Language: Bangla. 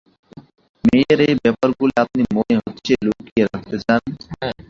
মেয়ের এই ব্যাপারগুলি আপনি মনে হচ্ছে লুকিয়ে রাখতে চান।